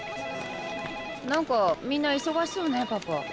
何かみんな忙しそうねパパ。